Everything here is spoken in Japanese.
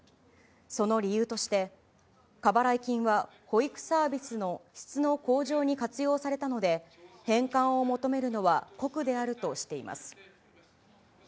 その理由として、過払い金は保育サービスの質の向上に活用されたので、返還を求めるのは酷であるとしています。